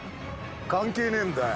関係ねえんだよ。